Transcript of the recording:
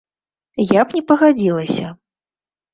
Я б не пагадзілася.